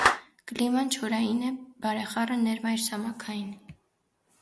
Կլիման չորային է բարեխառն ներմայրցամաքային։